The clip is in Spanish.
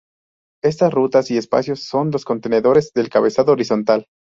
Estas rutas y espacios son los "contenedores" del cableado horizontal.